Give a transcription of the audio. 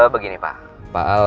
begini pak pak al